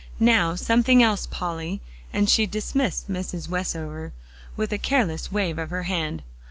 Now something else, Polly," and she dismissed Mrs. Westover with a careless wave of her hand.